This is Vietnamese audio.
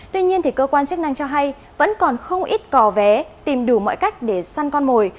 tuy nhiên cơ quan chức năng cho hay vẫn còn không ít cò vé tìm đủ mọi cách để săn con mồi